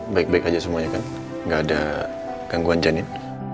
baik baik aja semuanya kan gak ada gangguan janin